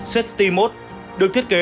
safety mode được thiết kế